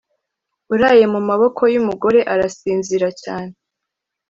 uraye mu maboko y’ umugore arasinzira cyane